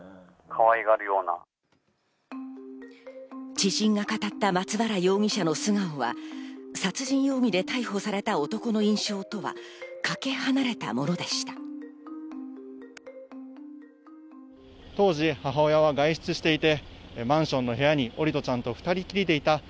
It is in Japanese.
知人が語った松原容疑者の素顔は、殺人容疑で逮捕された男の印象とはかけ離れたものでした。